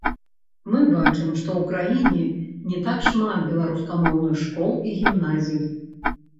Мы бачым, што ў краіне не так шмат беларускамоўных школ і гімназій.